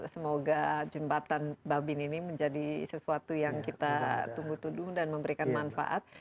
semoga jembatan babin ini menjadi sesuatu yang kita tunggu tunggu dan memberikan manfaat